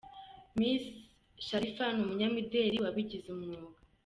Misi Sharifa ni umunyamideli wabigize umwuga.